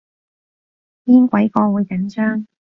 邊鬼個會緊張